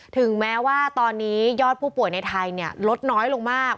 ถึงแม้ว่าตอนนี้ยอดผู้ป่วยในไทยลดน้อยลงมาก